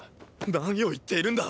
何を言っているんだ！